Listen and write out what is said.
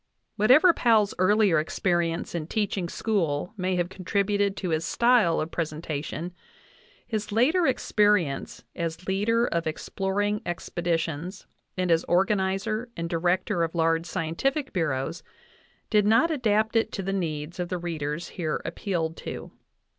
Whatever Powell's earlier experience in teaching school may have con tributed to his style of presentation, his later experience as leader of exploring expeditions and as organizer and director of large scientific bureaus did not adapt it to the needs of the readers here appealed to.